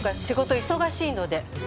仕事忙しいので。